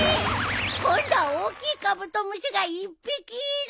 今度は大きいカブトムシが１匹いる。